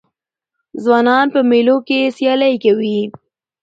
ځوانان په مېلو کښي سیالۍ کوي.